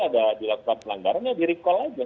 ada dilakukan pelanggaran ya di recall aja